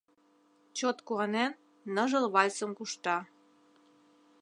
Чот куанен, ныжыл вальсым кушта.